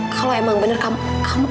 kalau emang benar kamu